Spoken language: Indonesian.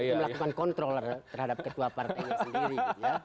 melakukan kontroler terhadap ketua partainya sendiri